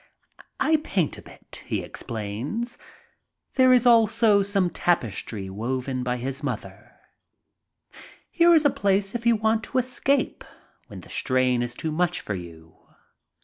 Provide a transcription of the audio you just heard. "I paint a bit," he explains. There is also some tapestry woven by his mother. "Here is a place if you want to escape when the strain is too much for you.